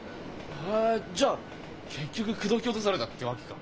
へえじゃあ結局口説き落とされたってわけか。